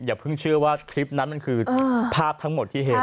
อย่าเพิ่งเชื่อว่าคลิปนั้นมันคือภาพทั้งหมดที่เห็น